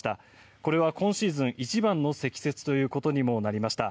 これは今シーズン一番の積雪となりました。